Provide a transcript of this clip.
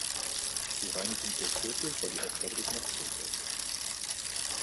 Die Reinigung der Kirche war die Aufgabe des Nachtwächters.